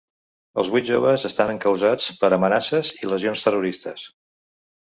Els vuit joves estan encausats per ‘amenaces i lesions terroristes’.